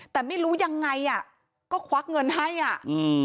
แต่ไม่รู้ยังไงอ่ะก็ควักเงินให้อ่ะอืม